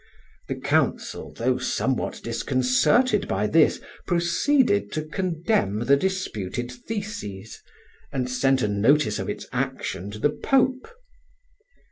The council, though somewhat disconcerted by this, proceeded to condemn the disputed theses, and sent a notice of its action to the Pope.